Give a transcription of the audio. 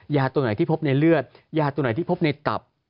ยาตัวไหนที่พบในเลือดยาตัวไหนที่พบในตับ